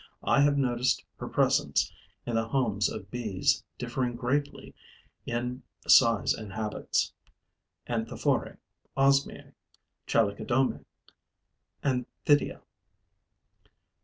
I have noticed her presence in the homes of bees differing greatly in size and habits: Anthophorae, Osmiae, Chalicodomae, Anthidia.